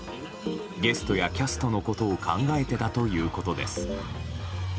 ゲストやキャストのことを考えてだということです。